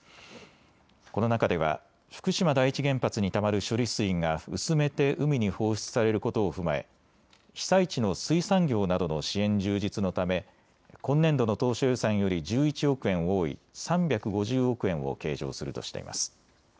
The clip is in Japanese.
この中では福島第一原発にたまる処理水が薄めて海に放出されることを踏まえ被災地の水産業などの支援充実のため今年度の当初予算より１１億円多い３５０億円を計上するとしています。